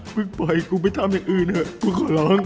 ปล่อยกูไปทำอย่างอื่นเถอะกูขอร้อง